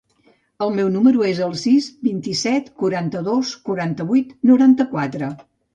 El meu número es el sis, vint-i-set, quaranta-dos, quaranta-vuit, noranta-quatre.